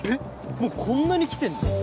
もうこんなに来てんの？